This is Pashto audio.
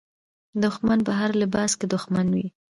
دښمن په هر لباس کې دښمن وي.